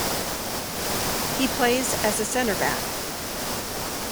He plays as a centre-back.